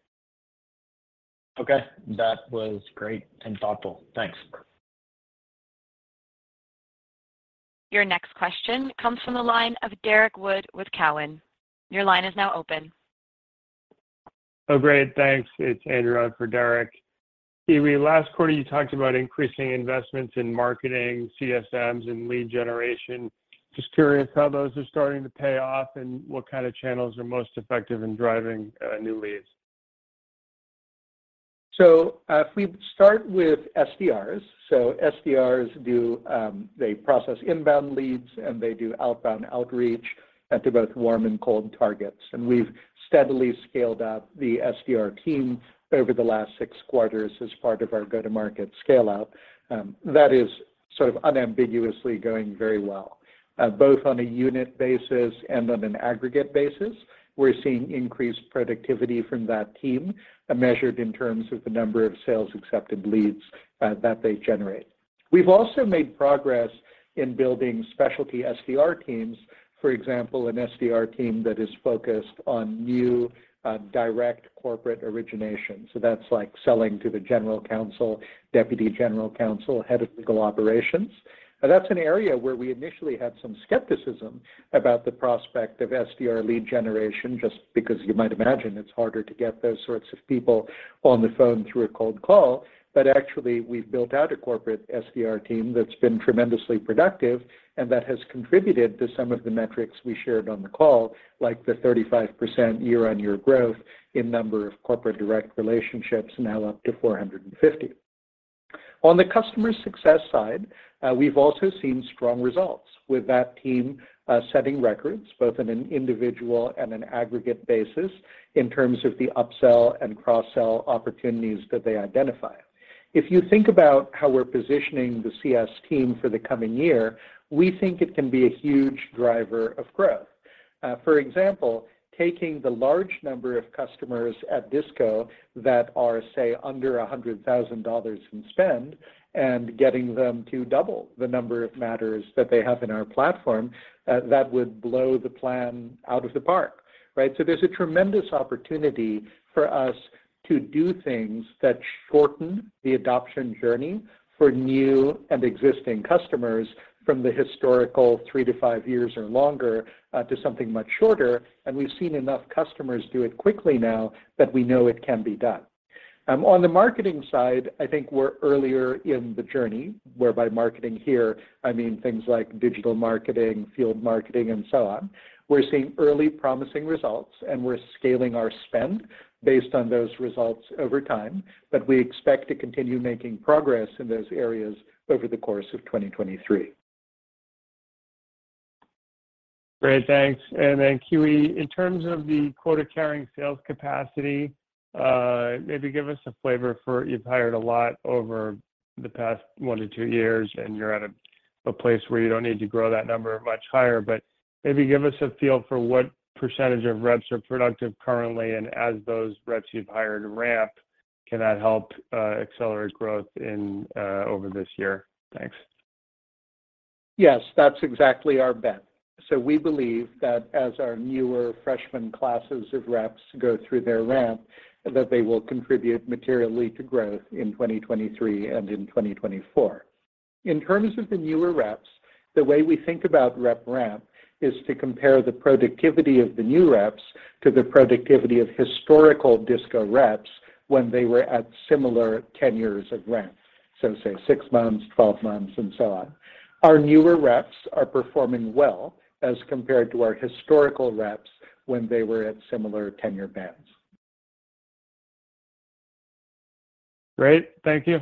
Okay. That was great and thoughtful. Thanks. Your next question comes from the line of Derek Wood with Cowen. Your line is now open. Oh, great. Thanks. It's Andrew on for Derek. Kiwi, last quarter you talked about increasing investments in marketing, CSMs, and lead generation. Just curious how those are starting to pay off and what kind of channels are most effective in driving new leads. If we start with SDRs. SDRs do, they process inbound leads, and they do outbound outreach to both warm and cold targets. We've steadily scaled up the SDR team over the last six quarters as part of our go-to-market scale-out, that is sort of unambiguously going very well. Both on a unit basis and on an aggregate basis, we're seeing increased productivity from that team, measured in terms of the number of sales accepted leads, that they generate. We've also made progress in building specialty SDR teams, for example, an SDR team that is focused on new, direct corporate origination. That's like selling to the general counsel, deputy general counsel, head of legal operations. That's an area where we initially had some skepticism about the prospect of SDR lead generation, just because you might imagine it's harder to get those sorts of people on the phone through a cold call. Actually, we've built out a corporate SDR team that's been tremendously productive and that has contributed to some of the metrics we shared on the call, like the 35% year-on-year growth in number of corporate direct relationships now up to 450. On the customer success side, we've also seen strong results with that team, setting records both on an individual and an aggregate basis in terms of the upsell and cross-sell opportunities that they identify. If you think about how we're positioning the CS team for the coming year, we think it can be a huge driver of growth. For example, taking the large number of customers at DISCO that are, say, under $100,000 in spend and getting them to double the number of matters that they have in our platform, that would blow the plan out of the park, right? There's a tremendous opportunity for us to do things that shorten the adoption journey for new and existing customers from the historical three to five years or longer, to something much shorter, We've seen enough customers do it quickly now that we know it can be done. On the marketing side, I think we're earlier in the journey, whereby marketing here, I mean things like digital marketing, field marketing, and so on. We're seeing early promising results, We're scaling our spend based on those results over time. We expect to continue making progress in those areas over the course of 2023. Great. Thanks. Then, Kiwi, in terms of the quota-carrying sales capacity, maybe give us a flavor for you've hired a lot over the past one to two years, and you're at a place where you don't need to grow that number much higher. Maybe give us a feel for what percentage of reps are productive currently, and as those reps you've hired ramp, can that help accelerate growth in over this year? Thanks. Yes. That's exactly our bet. We believe that as our newer freshman classes of reps go through their ramp, that they will contribute materially to growth in 2023 and in 2024. In terms of the newer reps, the way we think about rep ramp is to compare the productivity of the new reps to the productivity of historical DISCO reps when they were at similar tenures of ramp, so say six months, 12 months, and so on. Our newer reps are performing well as compared to our historical reps when they were at similar tenure bands. Great. Thank you.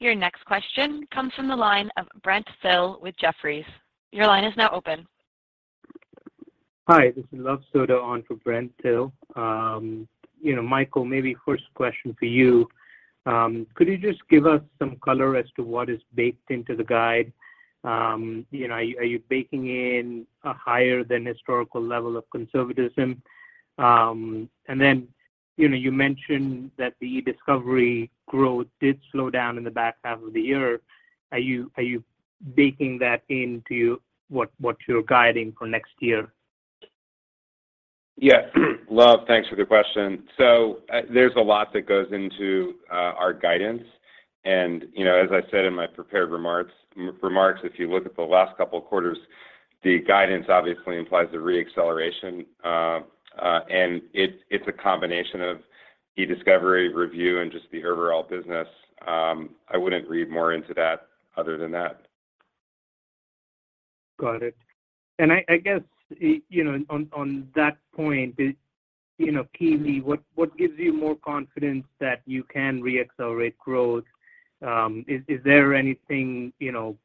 Your next question comes from the line of Brent Thill with Jefferies. Your line is now open. Hi, this is Luv Sodha on for Brent Thill. You know, Michael, maybe first question for you. Could you just give us some color as to what is baked into the guide? You know, are you baking in a higher than historical level of conservatism? Then, you know, you mentioned that the Ediscovery growth did slow down in the back half of the year. Are you baking that into what you're guiding for next year? Yeah. Luv, thanks for the question. There's a lot that goes into our guidance. You know, as I said in my prepared remarks, if you look at the last couple of quarters, the guidance obviously implies a re-acceleration. It's a combination of Ediscovery, Review and just the overall business. I wouldn't read more into that other than that. Got it. I guess, you know, on that point, you know, Kiwi, what gives you more confidence that you can re-accelerate growth? Is there anything, you know,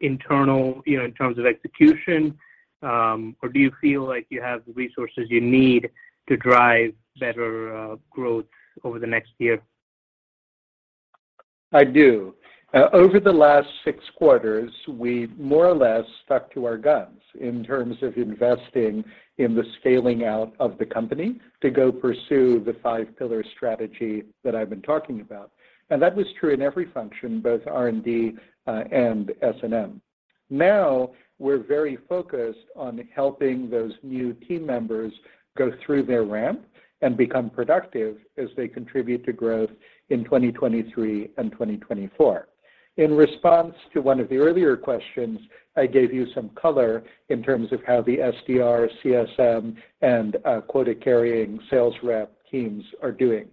internal, you know, in terms of execution, or do you feel like you have the resources you need to drive better, growth over the next year? I do. Over the last six quarters, we more or less stuck to our guns in terms of investing in the scaling out of the company to go pursue the five-pillar strategy that I've been talking about. That was true in every function, both R&D and S&M. Now, we're very focused on helping those new team members go through their ramp and become productive as they contribute to growth in 2023 and 2024. In response to one of the earlier questions, I gave you some color in terms of how the SDR, CSM, and quota-carrying sales rep teams are doing.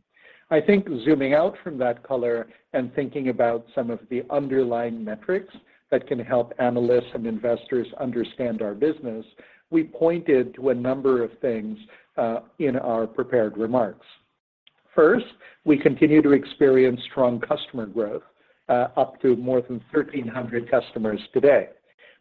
I think zooming out from that color and thinking about some of the underlying metrics that can help analysts and investors understand our business, we pointed to a number of things in our prepared remarks. First, we continue to experience strong customer growth, up to more than 1,300 customers today.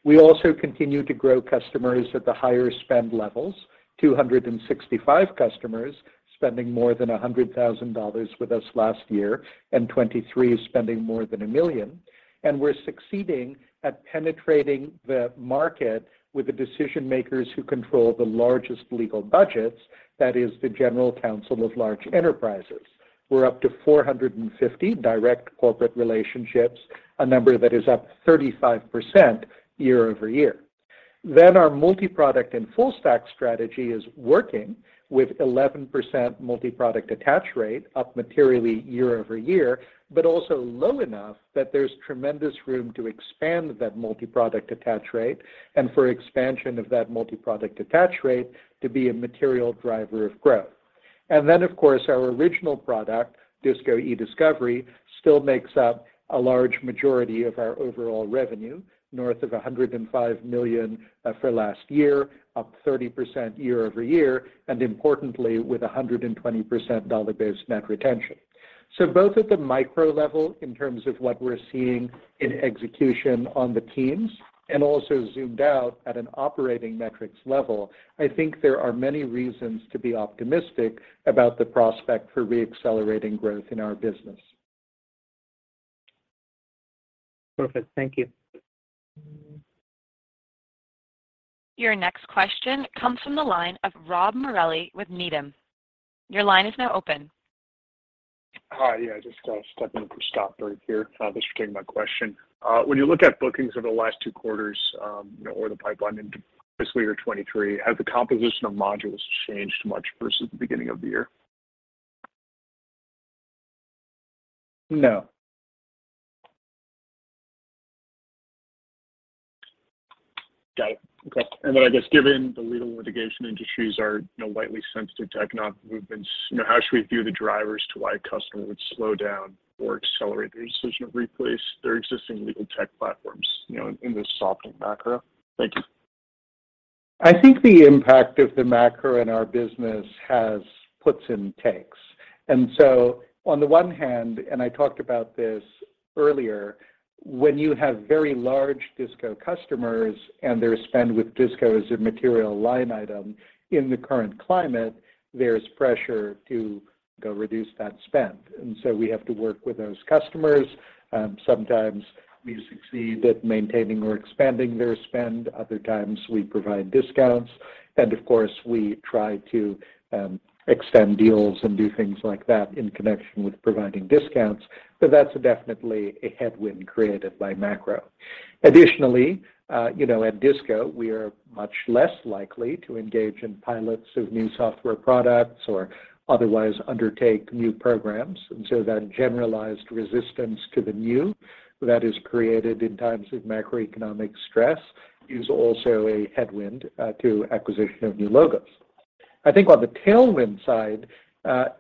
We also continue to grow customers at the higher spend levels, 265 customers spending more than $100,000 with us last year, and 23 spending more than $1 million. We're succeeding at penetrating the market with the decision-makers who control the largest legal budgets, that is the general counsel of large enterprises. We're up to 450 direct corporate relationships, a number that is up 35% year-over-year. Our multi-product and full stack strategy is working with 11% multi-product attach rate, up materially year-over-year, but also low enough that there's tremendous room to expand that multi-product attach rate and for expansion of that multi-product attach rate to be a material driver of growth. Of course, our original product, DISCO Ediscovery, still makes up a large majority of our overall revenue, north of $105 million for last year, up 30% year-over-year, and importantly, with 120% dollar-based net retention. Both at the micro level in terms of what we're seeing in execution on the teams and also zoomed out at an operating metrics level, I think there are many reasons to be optimistic about the prospect for re-accelerating growth in our business. Perfect. Thank you. Your next question comes from the line of Rob Morelli with Needham. Your line is now open. Hi. Yeah, just stepping in for Scott Berg here. Thanks for taking my question. When you look at bookings over the last two quarters, you know, or the pipeline into fiscal year 2023, has the composition of modules changed much versus the beginning of the year? No. Got it. Okay. Then I guess given the legal litigation industries are, you know, lightly sensitive to economic movements, you know, how should we view the drivers to why a customer would slow down or accelerate their decision to replace their existing legal tech platforms, you know, in this softening macro? Thank you. I think the impact of the macro in our business has puts and takes. On the one hand, and I talked about this earlier, when you have very large DISCO customers and their spend with DISCO is a material line item in the current climate, there's pressure to go reduce that spend. We have to work with those customers. Sometimes we succeed at maintaining or expanding their spend. Other times, we provide discounts. Of course, we try to extend deals and do things like that in connection with providing discounts, so that's definitely a headwind created by macro. You know, at DISCO, we are much less likely to engage in pilots of new software products or otherwise undertake new programs. That generalized resistance to the new that is created in times of macroeconomic stress is also a headwind to acquisition of new logos. I think on the tailwind side,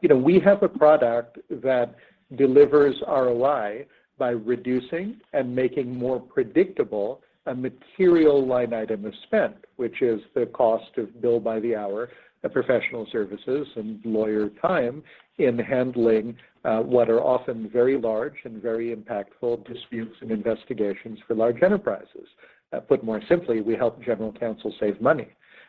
you know, we have a product that delivers ROI by reducing and making more predictable a material line item of spend, which is the cost of bill by the hour of professional services and lawyer time in handling what are often very large and very impactful disputes and investigations for large enterprises. Put more simply, we help general counsel save money.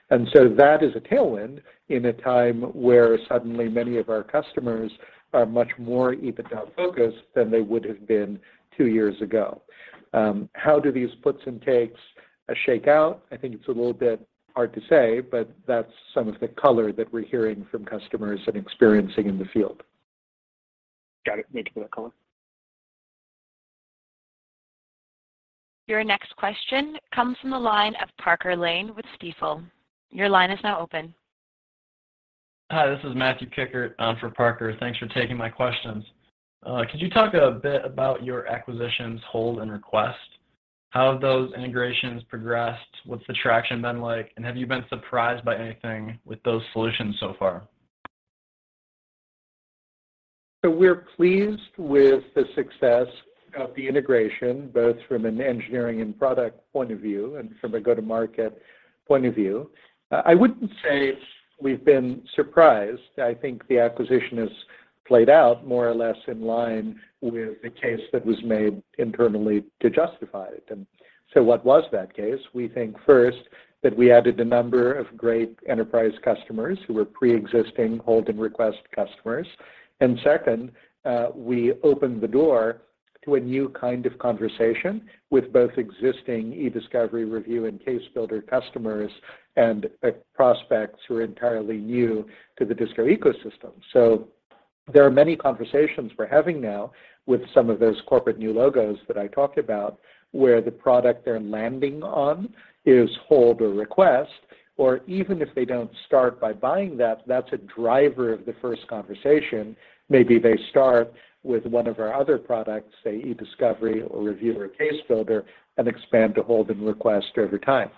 That is a tailwind in a time where suddenly many of our customers are much more EBITDA focused than they would have been two years ago. How do these puts and takes shake out? I think it's a little bit hard to say. That's some of the color that we're hearing from customers and experiencing in the field. Got it. Thank you for that color. Your next question comes from the line of Parker Lane with Stifel. Your line is now open. Hi, this is Matthew Kikkert, for Parker. Thanks for taking my questions. Could you talk a bit about your acquisitions, DISCO Hold and DISCO Request? How have those integrations progressed? What's the traction been like? Have you been surprised by anything with those solutions so far? We're pleased with the success of the integration, both from an engineering and product point of view and from a go-to-market point of view. I wouldn't say we've been surprised. I think the acquisition has played out more or less in line with the case that was made internally to justify it. What was that case? We think first that we added a number of great enterprise customers who were pre-existing Hold and Request customers. Second, we opened the door to a new kind of conversation with both existing Ediscovery, Review, and Case Builder customers and prospects who are entirely new to the DISCO ecosystem. There are many conversations we're having now with some of those corporate new logos that I talked about, where the product they're landing on is Hold or Request. Even if they don't start by buying that's a driver of the first conversation. Maybe they start with one of our other products, say Ediscovery or Review or Case Builder, and expand to Hold and Request over time.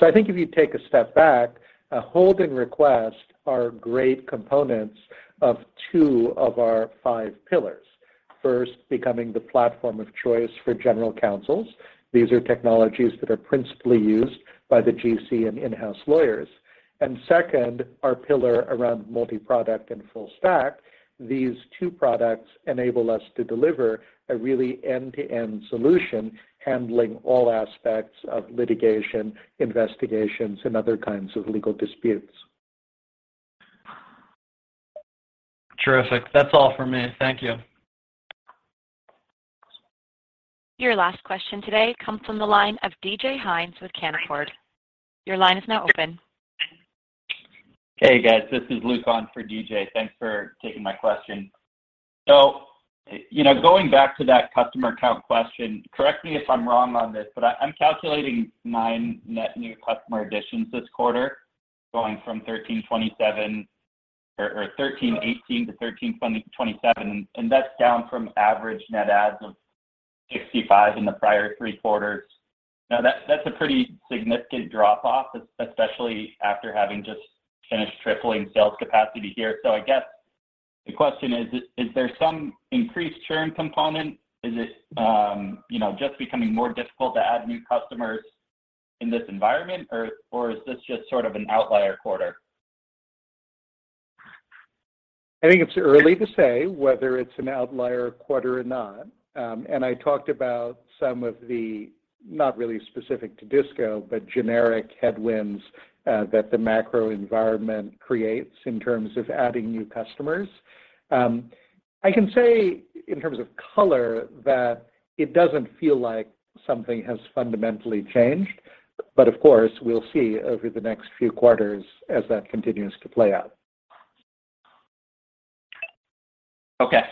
I think if you take a step back, Hold and Request are great components of two of our five pillars. First, becoming the platform of choice for general counsels. These are technologies that are principally used by the GC and in-house lawyers. Second, our pillar around multi-product and full stack. These two products enable us to deliver a really end-to-end solution, handling all aspects of litigation, investigations, and other kinds of legal disputes. Terrific. That's all for me. Thank you. Your last question today comes from the line of DJ Hynes with Canaccord. Your line is now open. Hey, guys. This is Luke on for DJ. Thanks for taking my question. You know, going back to that customer count question, correct me if I'm wrong on this, but I'm calculating nine net new customer additions this quarter, going from 1,327 or 1,318 to 1,327, and that's down from average net adds of 65 in the prior three quarters. That's a pretty significant drop-off, especially after having just finished tripling sales capacity here. I guess the question is there some increased churn component? Is it, you know, just becoming more difficult to add new customers in this environment or is this just sort of an outlier quarter? I think it's early to say whether it's an outlier quarter or not. I talked about some of the not really specific to DISCO, but generic headwinds that the macro environment creates in terms of adding new customers. I can say in terms of color that it doesn't feel like something has fundamentally changed, of course, we'll see over the next few quarters as that continues to play out. Okay.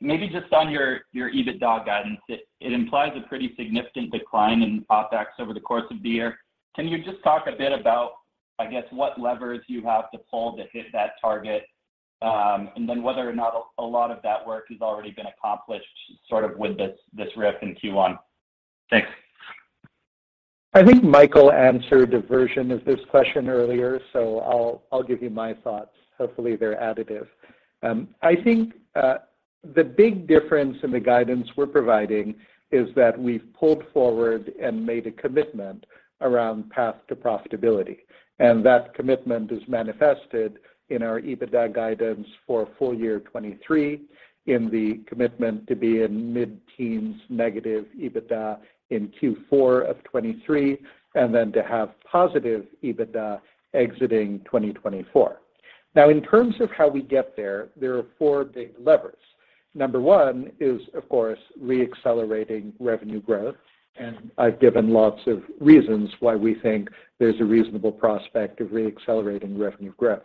Maybe just on your EBITDA guidance, it implies a pretty significant decline in OpEx over the course of the year. Can you just talk a bit about, I guess, what levers you have to pull to hit that target? Whether or not a lot of that work has already been accomplished sort of with this RIF in Q1? Thanks. I think Michael answered a version of this question earlier, so I'll give you my thoughts. Hopefully, they're additive. I think the big difference in the guidance we're providing is that we've pulled forward and made a commitment around path to profitability. That commitment is manifested in our EBITDA guidance for full year 2023 in the commitment to be in mid-teens negative EBITDA in Q4 of 2023, and then to have positive EBITDA exiting 2024. In terms of how we get there are four big levers. Number one is, of course, re-accelerating revenue growth. I've given lots of reasons why we think there's a reasonable prospect of re-accelerating revenue growth.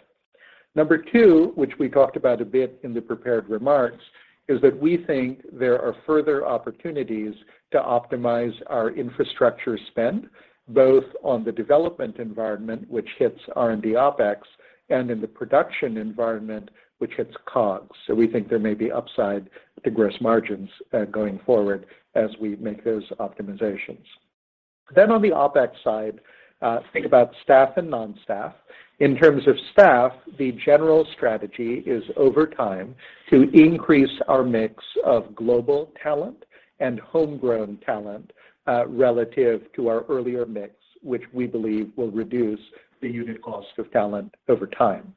Number two, which we talked about a bit in the prepared remarks, is that we think there are further opportunities to optimize our infrastructure spend, both on the development environment, which hits R&D OpEx, and in the production environment, which hits COGS. We think there may be upside to gross margins going forward as we make those optimizations. On the OpEx side, think about staff and non-staff. In terms of staff, the general strategy is over time to increase our mix of global talent and homegrown talent relative to our earlier mix, which we believe will reduce the unit cost of talent over time.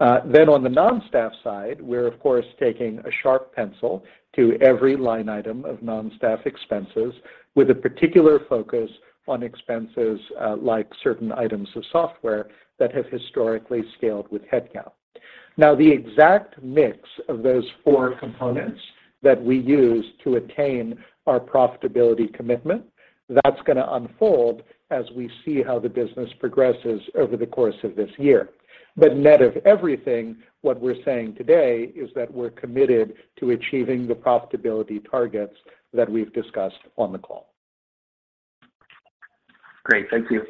On the non-staff side, we're of course taking a sharp pencil to every line item of non-staff expenses with a particular focus on expenses like certain items of software that have historically scaled with headcount. The exact mix of those four components that we use to attain our profitability commitment, that's gonna unfold as we see how the business progresses over the course of this year. Net of everything, what we're saying today is that we're committed to achieving the profitability targets that we've discussed on the call. Great. Thank you.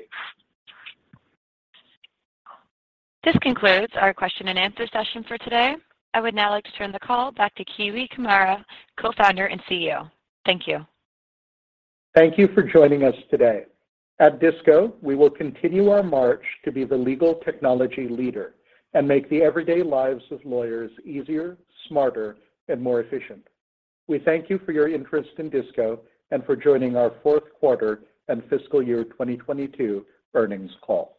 This concludes our question and answer session for today. I would now like to turn the call back to Kiwi Camara, Co-Founder and CEO. Thank you. Thank you for joining us today. At DISCO, we will continue our march to be the legal technology leader and make the everyday lives of lawyers easier, smarter, and more efficient. We thank you for your interest in DISCO and for joining our fourth quarter and fiscal year 2022 earnings call.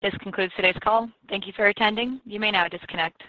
This concludes today's call. Thank you for attending. You may now disconnect.